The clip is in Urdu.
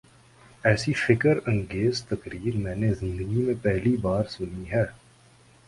ایسی فکر انگیز تقریر میں نے زندگی میں پہلی بار سنی ہے۔